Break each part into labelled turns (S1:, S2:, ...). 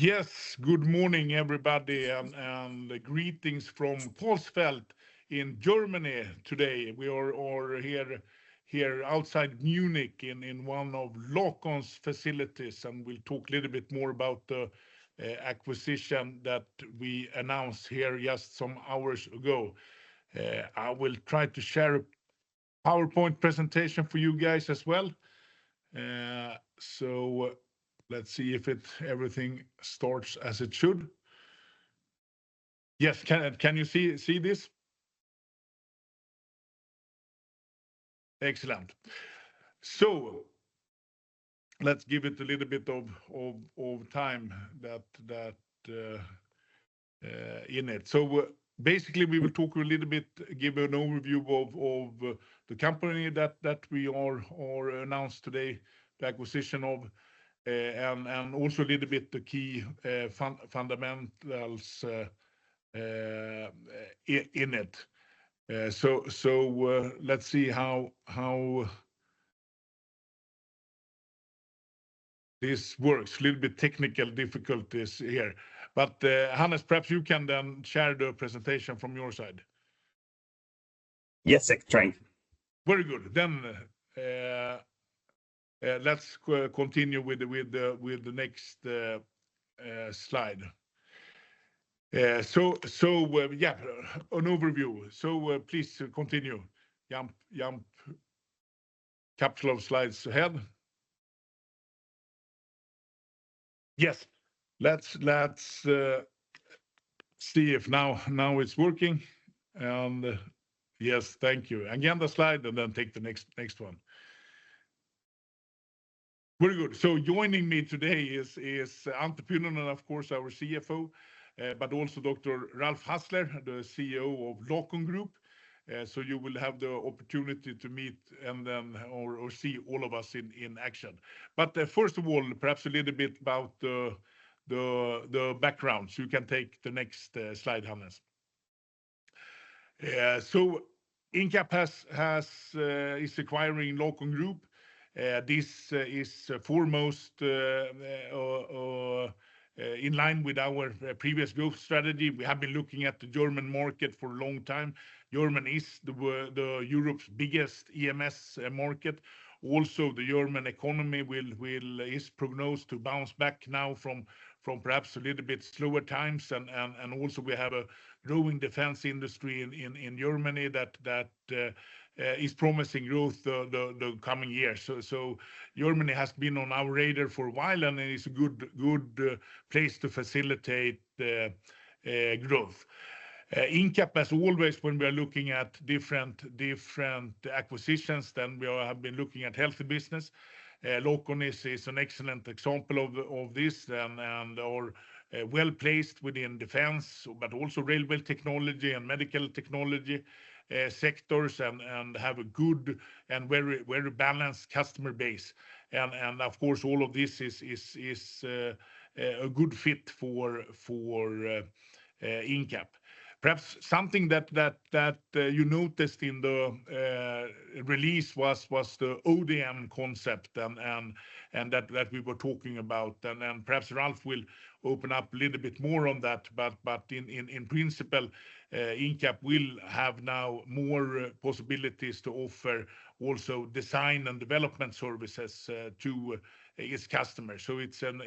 S1: We are here outside Munich in one of Lacon's facilities, and we'll talk a little bit more about the acquisition that we announced here just some hours ago. I will try to share a PowerPoint presentation for you guys as well, so let's see if everything starts as it should. Yes, can you see this? Excellent, so let's give it a little bit of time in it, so basically, we will talk a little bit, give an overview of the company that we announced today, the acquisition of, and also a little bit the key fundamentals in it, so let's see how this works. A little bit technical difficulties here, but Hannes, perhaps you can then share the presentation from your side. Yes, excellent. Very good. Then let's continue with the next slide. So yeah, an overview. So please continue. Jump a couple of slides ahead. Yes. Let's see if now it's working. And yes, thank you. And again, the slide, and then take the next one. Very good. So joining me today is Antti Pynnönen, of course, our CFO, but also Dr. Ralf Hasler, the CEO of Lacon Group. So you will have the opportunity to meet and then see all of us in action. But first of all, perhaps a little bit about the background. So you can take the next slide, Hannes. So Incap is acquiring Lacon Group. This is foremost in line with our previous growth strategy. We have been looking at the German market for a long time. Germany is Europe's biggest EMS market. Also, the German economy is prognosed to bounce back now from perhaps a little bit slower times. And also, we have a growing defense industry in Germany that is promising growth the coming years. Germany has been on our radar for a while, and it is a good place to facilitate growth. Incap, as always, when we are looking at different acquisitions, then we have been looking at healthy business. Lacon is an excellent example of this and are well placed within defense, but also railway technology and medical technology sectors and have a good and very balanced customer base. And of course, all of this is a good fit for Incap. Perhaps something that you noticed in the release was the ODM concept that we were talking about. And perhaps Ralf will open up a little bit more on that. But in principle, Incap will have now more possibilities to offer also design and development services to its customers. So it's an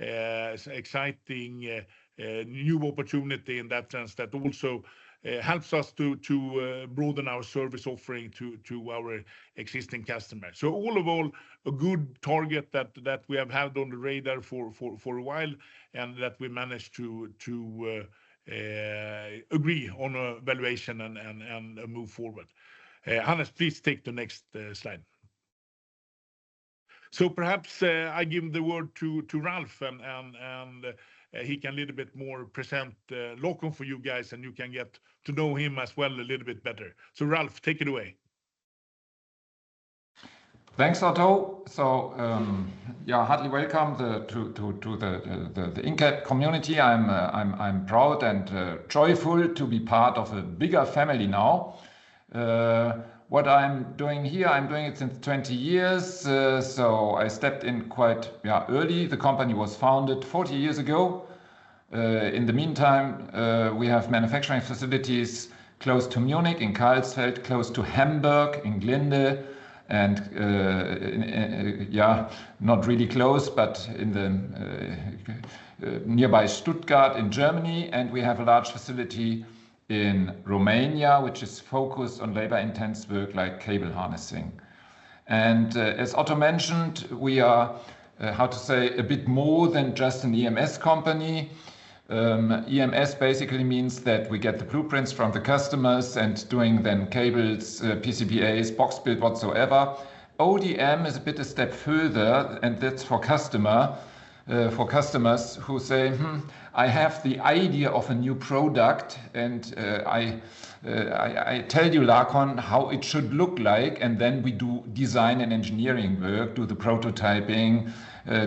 S1: exciting new opportunity in that sense that also helps us to broaden our service offering to our existing customers. So, all in all, a good target that we have had on the radar for a while and that we managed to agree on valuation and move forward. Hannes, please take the next slide. Perhaps I give the word to Ralf, and he can present a little bit more Lacon for you guys, and you can get to know him as well a little bit better. Ralf, take it away.
S2: Thanks, Otto. So yeah, hearty welcome to the Incap community. I'm proud and joyful to be part of a bigger family now. What I'm doing here, I'm doing it since 20 years. So I stepped in quite early. The company was founded 40 years ago. In the meantime, we have manufacturing facilities close to Munich, in Karlsfeld, close to Hamburg, in Glinde, and yeah, not really close, but in the nearby Stuttgart in Germany. And we have a large facility in Romania, which is focused on labor-intensive work like cable harnessing. And as Otto mentioned, we are, how to say, a bit more than just an EMS company. EMS basically means that we get the blueprints from the customers and doing then cables, PCBAs, box build, whatsoever. ODM is a bit of a step further, and that's for customers who say, "I have the idea of a new product, and I tell you, Lacon, how it should look like." And then we do design and engineering work, do the prototyping,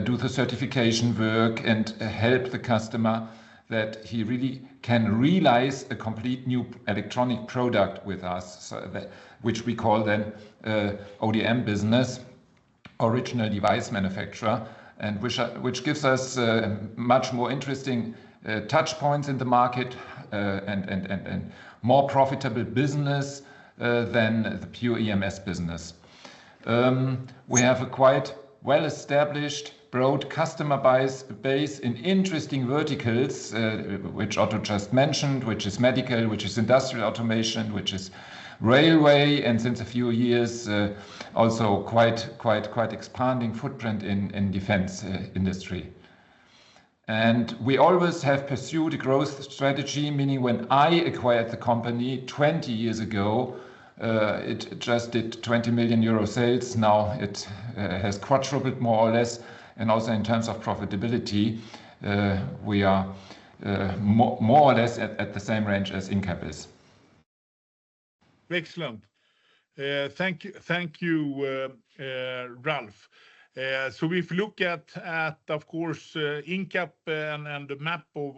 S2: do the certification work, and help the customer that he really can realize a complete new electronic product with us, which we call then ODM business, original design manufacturer, which gives us much more interesting touch points in the market and more profitable business than the pure EMS business. We have a quite well-established broad customer base in interesting verticals, which Otto just mentioned, which is medical, which is industrial automation, which is railway, and since a few years, also quite expanding footprint in defense industry. And we always have pursued a growth strategy, meaning when I acquired the company 20 years ago, it just did 20 million euro sales. Now it has quadrupled more or less. And also in terms of profitability, we are more or less at the same range as Incap is.
S1: Excellent. Thank you, Ralf. So if you look at, of course, Incap and the map of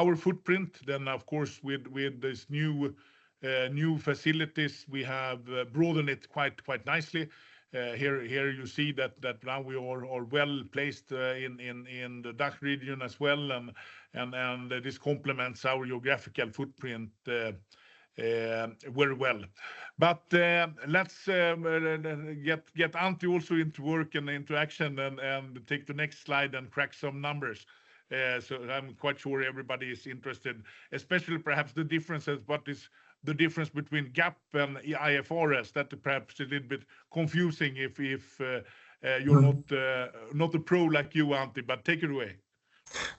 S1: our footprint, then of course, with these new facilities, we have broadened it quite nicely. Here you see that now we are well placed in the DACH region as well. And this complements our geographical footprint very well. But let's get Antti also into work and into action and take the next slide and crack some numbers. So I'm quite sure everybody is interested, especially perhaps the differences, what is the difference between GAAP and IFRS that perhaps is a little bit confusing if you're not a pro like you, Antti, but take it away.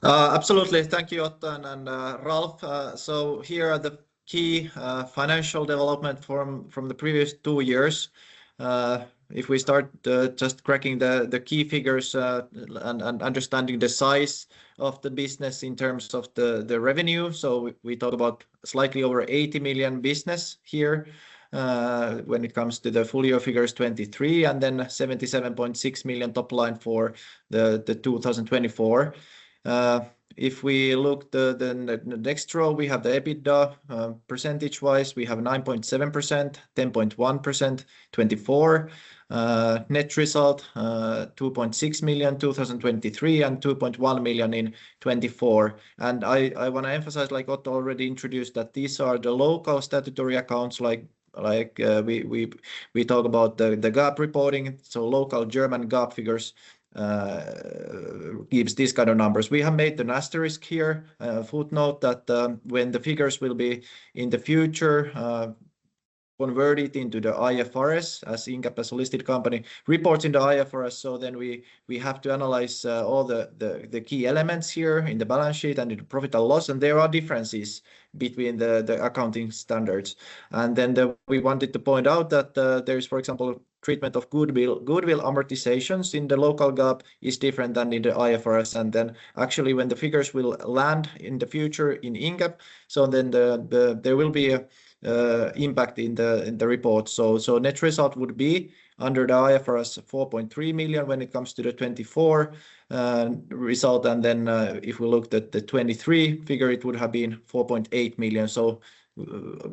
S3: Absolutely. Thank you, Otto and Ralf. So here are the key financial development from the previous two years. If we start just cracking the key figures and understanding the size of the business in terms of the revenue, so we talk about slightly over 80 million business here when it comes to the full year figures, 2023, and then 77.6 million top line for the 2024. If we look at the next row, we have the EBITDA percentage-wise. We have 9.7%, 10.1%, 2024. Net result, 2.6 million in 2023 and 2.1 million in 2024. And I want to emphasize, like Otto already introduced, that these are the local statutory accounts. We talk about the GAAP reporting. So local German GAAP figures gives these kind of numbers. We have made an asterisk here, a footnote that when the figures will be in the future converted into the IFRS as Incap as a listed company reports in the IFRS, so then we have to analyze all the key elements here in the balance sheet and in the profit and loss, and there are differences between the accounting standards. And then we wanted to point out that there is, for example, treatment of goodwill amortizations in the local GAAP is different than in the IFRS. And then actually when the figures will land in the future in Incap, so then there will be an impact in the report. So net result would be under the IFRS 4.3 million when it comes to the 2024 result. And then if we looked at the 2023 figure, it would have been 4.8 million.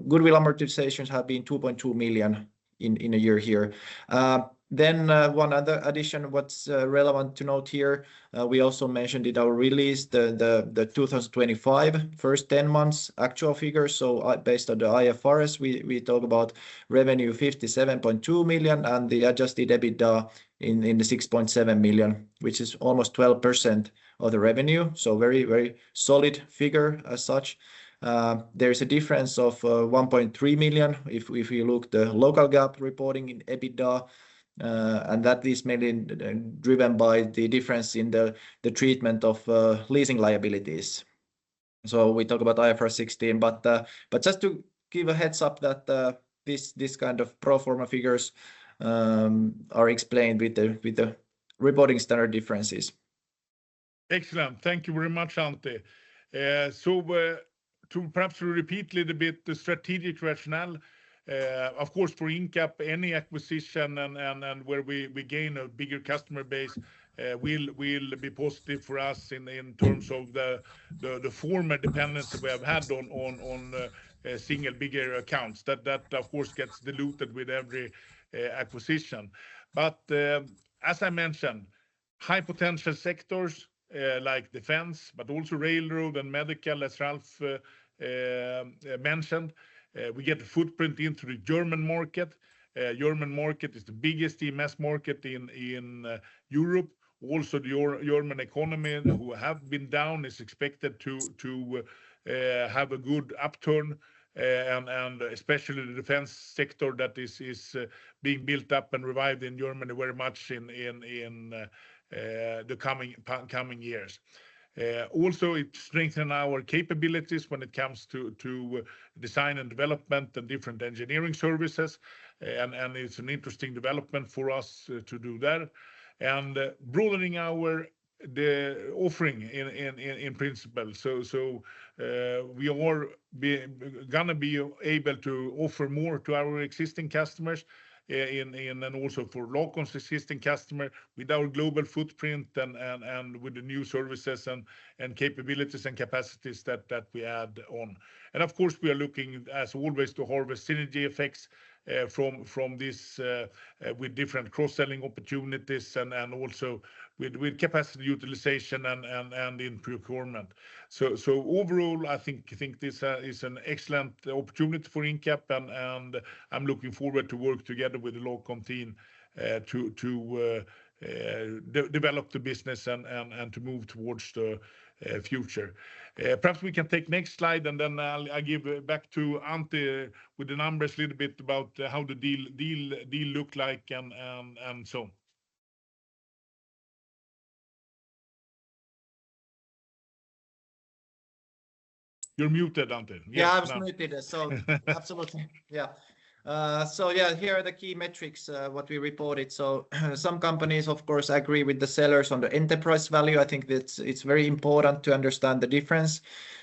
S3: Goodwill amortizations have been 2.2 million in a year here. Then one other addition, what's relevant to note here, we also mentioned in our release the 2025 first 10 months actual figures. Based on the IFRS, we talk about revenue 57.2 million and the adjusted EBITDA 6.7 million, which is almost 12% of the revenue. Very solid figure as such. There is a difference of 1.3 million if you look at the local GAAP reporting in EBITDA, and that is mainly driven by the difference in the treatment of leasing liabilities. We talk about IFRS 16, but just to give a heads up that these kind of pro forma figures are explained with the reporting standard differences.
S1: Excellent. Thank you very much, Antti. So perhaps to repeat a little bit the strategic rationale. Of course, for Incap, any acquisition and where we gain a bigger customer base will be positive for us in terms of the former dependency we have had on single bigger accounts that, of course, gets diluted with every acquisition. But as I mentioned, high potential sectors like defense, but also railroad and medical, as Ralf mentioned, we get a footprint into the German market. German market is the biggest EMS market in Europe. Also, the German economy who have been down is expected to have a good upturn, and especially the defense sector that is being built up and revived in Germany very much in the coming years. Also, it strengthened our capabilities when it comes to design and development and different engineering services. It's an interesting development for us to do that and broadening our offering in principle. We are going to be able to offer more to our existing customers and also for Lacon's existing customers with our global footprint and with the new services and capabilities and capacities that we add on. Of course, we are looking, as always, to harvest synergy effects from this with different cross-selling opportunities and also with capacity utilization and in procurement. Overall, I think this is an excellent opportunity for Incap, and I'm looking forward to work together with the Lacon team to develop the business and to move towards the future. Perhaps we can take the next slide, and then I'll give back to Antti with the numbers a little bit about how the deal looked like and so on. You're muted, Antti.
S3: Yeah, I was muted. So absolutely. Yeah. So yeah, here are the key metrics what we reported. So some companies, of course, agree with the sellers on the enterprise value. I think it's very important to understand the difference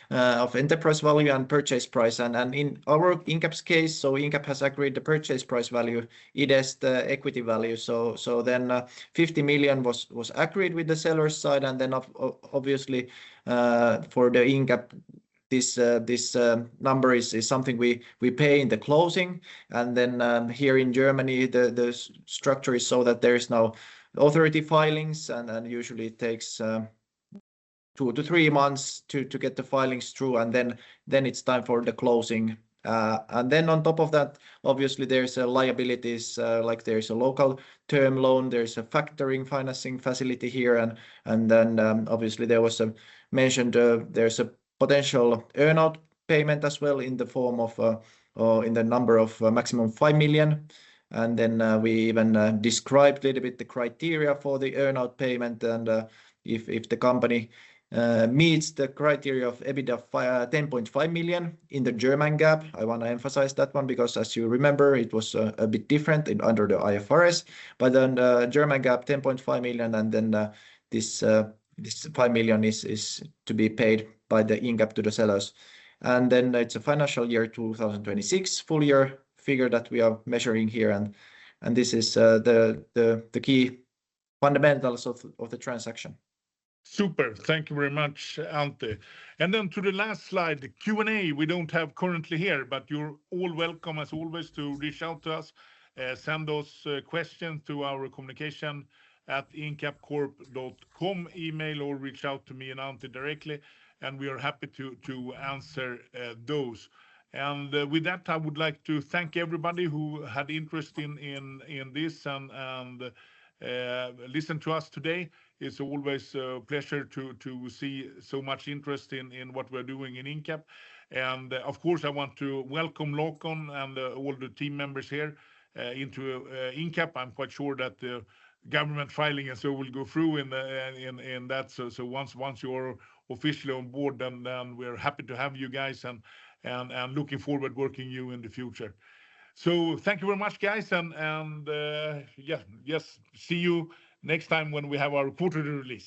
S3: of enterprise value and purchase price. And in our Incap's case, so Incap has agreed the purchase price value, it is the equity value. So then 50 million EUR was agreed with the seller's side. And then obviously for the Incap, this number is something we pay in the closing. And then here in Germany, the structure is so that there is no authority filings, and usually it takes two to three months to get the filings through, and then it's time for the closing. And then on top of that, obviously there's liabilities, like there's a local term loan, there's a factoring financing facility here. Obviously, there was mentioned there's a potential earnout payment as well in the form of in the number of maximum 5 million. We even described a little bit the criteria for the earnout payment. If the company meets the criteria of EBITDA 10.5 million in the German GAAP, I want to emphasize that one because as you remember, it was a bit different under the IFRS. The German GAAP 10.5 million, and then this 5 million is to be paid by the Incap to the sellers. It's a financial year 2026 full year figure that we are measuring here. This is the key fundamentals of the transaction.
S1: Super. Thank you very much, Antti. And then to the last slide, the Q&A, we don't have currently here, but you're all welcome as always to reach out to us, send us questions to our communication@incapcorp.com email or reach out to me and Antti directly, and we are happy to answer those. And with that, I would like to thank everybody who had interest in this and listened to us today. It's always a pleasure to see so much interest in what we're doing in Incap. And of course, I want to welcome Lacon and all the team members here into Incap. I'm quite sure that the government filing and so will go through in that. So once you are officially on board, then we're happy to have you guys and looking forward to working with you in the future. So thank you very much, guys. Yeah, yes, see you next time when we have our quarterly release.